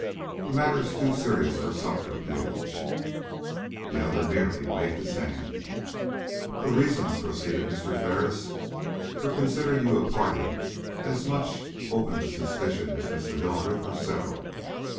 The matter is too serious for subterfuge." The other merely waved his hand. "The reasons," proceeded Mr. Ferris, "for considering you a party as much open to suspicion as Mr. Hildreth, are several.